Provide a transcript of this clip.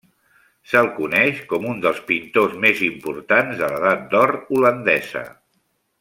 Se'l coneix com un dels pintors més importants de l'Edat d'Or holandesa.